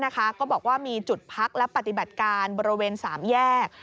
ก็บอกว่ามีจุดพักและปฏิบัติการบริเวณ๓แยก